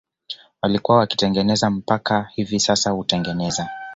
walikuwa wakitengeneza mpaka hivi sasa hutengeneza